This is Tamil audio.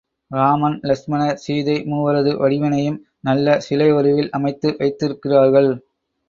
ராமன், லக்ஷ்மணர், சீதை மூவரது வடிவினையும் நல்ல சிலை உருவில் அமைத்து வைத்திருக்கிறார்கள்.